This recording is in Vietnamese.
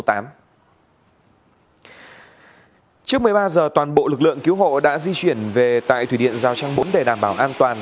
trước một mươi ba giờ toàn bộ lực lượng cứu hộ đã di chuyển về tại thủy điện giao trang bốn để đảm bảo an toàn